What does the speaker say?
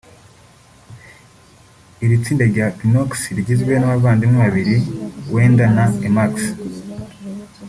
Iri tsinda rya Pinoxy rigizwe n’abavandimwe babiri Wenda na Emmaxy